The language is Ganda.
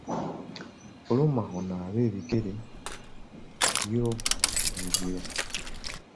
Fuluma onaabe ebigere byo ebyo.